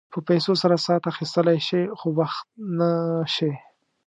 په پیسو سره ساعت اخيستلی شې خو وخت نه شې.